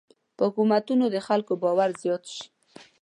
په حکومتونو د خلکو باور زیات شي.